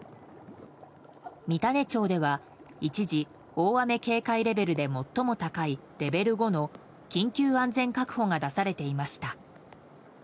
三種町では一時、大雨警戒レベルで最も高いレベル５の緊急安全確保が出されていました。